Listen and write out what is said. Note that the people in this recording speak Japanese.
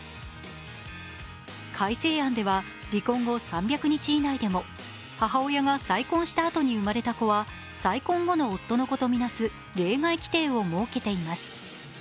改正案では、離婚後３００日以内でも母親が再婚した後に生まれた子は再婚後の夫の子とみなす例外規定を設けています。